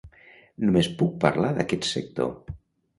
Només puc parlar d'aquest sector.